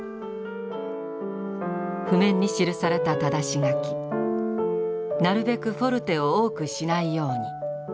譜面に記されたただし書きなるべくフォルテを多くしないように。